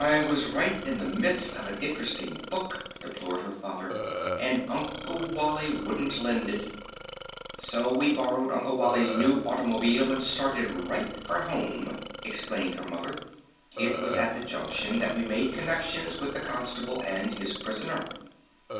"I was right in the midst of such an interesting book," deplored her Father. "And Uncle Wally wouldn't lend it." "So we borrowed Uncle Wally's new automobile and started right for home!" explained her Mother. "It was at the Junction that we made connections with the Constable and his prisoner."